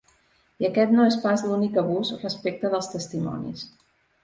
I aquest no és pas l’únic abús respecte dels testimonis.